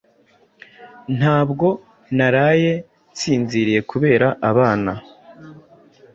Ntabwo naraye nsinziriye kubera abana